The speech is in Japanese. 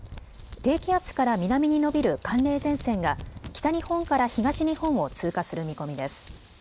低気圧から南に延びる寒冷前線が北日本から東日本を通過する見込みです。